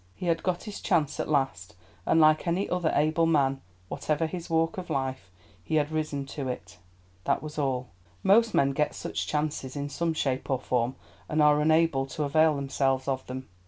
He had got his chance at last, and like any other able man, whatever his walk of life, he had risen to it. That was all. Most men get such chances in some shape or form, and are unable to avail themselves of them.